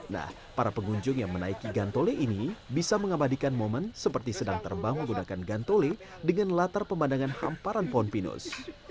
nah para pengunjung yang menaiki gantole ini bisa mengabadikan momen seperti sedang terbang menggunakan gantole dengan latar pemandangan hamparan pohon pinus